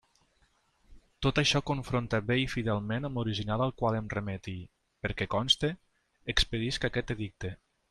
Tot això confronta bé i fidelment amb l'original al qual em remet i, perquè conste, expedisc aquest edicte.